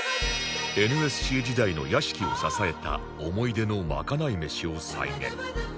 ＮＳＣ 時代の屋敷を支えた思い出のまかない飯を再現